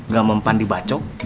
gak mempan di bacok